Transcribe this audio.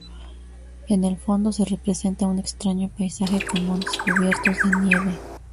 En el fondo se representa un extraño paisaje con montes cubiertos de nieve.